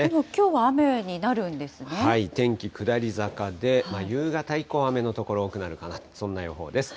はい、天気下り坂で、夕方以降、雨の所、多くなるかな、そんな予報です。